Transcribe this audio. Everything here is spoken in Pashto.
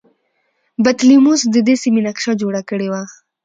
بطلیموس د دې سیمې نقشه جوړه کړې وه